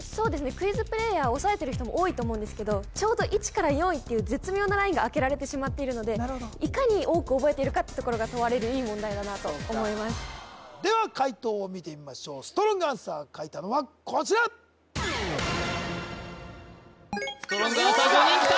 クイズプレーヤー押さえてる人も多いと思うんですけどちょうど１から４位っていう絶妙なラインが開けられてしまってるのでいかに多く覚えているかっていうところが問われるいい問題だなとでは解答を見てみましょうストロングアンサー書いたのはこちらストロングアンサー５人きた！